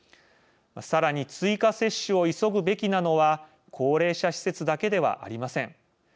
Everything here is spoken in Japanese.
さらに追加接種を急ぐべきなのは高齢者施設だけではありません。